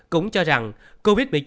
cũng cho rằng covid một mươi chín